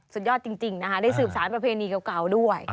สุดยอดจริงนะคะได้สืบสารประเพณีเก่าด้วย